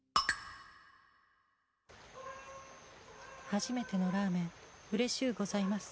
初めてのラーメンうれしゅうございます